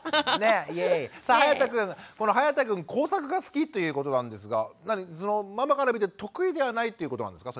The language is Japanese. さあはやたくん工作が好きということなんですがママから見て得意ではないということなんですか？